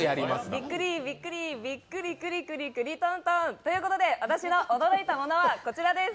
びっくり、びっくりびっくりくりくりとんとん、ということで、私の驚いたものはこちらです。